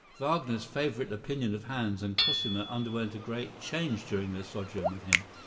Wagner's favorable opinion of Hans and Cosima underwent a great change during their sojourn with him.